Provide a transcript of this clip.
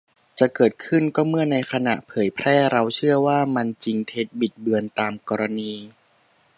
จะเกิดขึ้นก็เมื่อในขณะเผยแพร่เราเชื่อว่ามัน จริง เท็จ บิดเบือน ตามกรณี